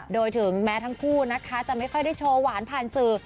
โดยถึงแม้ทั้งคู่นะคะจะไม่ค่อยได้โชว์หวานผ่านสื่อ